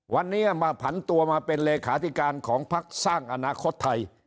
วันนี้มาผันตัวมาเป็นเลขาธิการของพักสร้างอนาคตไทย